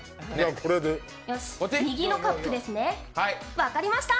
右のカップですね、分かりました。